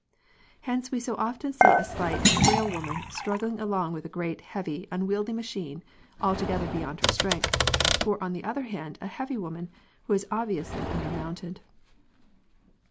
Hence we so often see a slight, frail woman struggling along with a great, heavy unwieldy machine altogether beyond her strength, or on the other hand a heavy woman who is obviously under mounted.